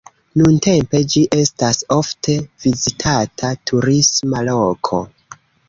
Nuntempe ĝi estas ofte vizitata turisma loko.